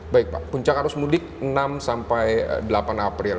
baik pak puncak arus mudik enam sampai delapan april